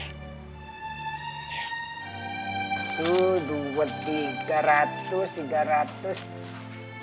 ibu dua tiga ratus tiga ratus